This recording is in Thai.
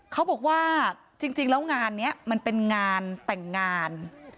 เขาบอกว่าจริงแล้วงานนี้มันเป็นงานแต่งงาน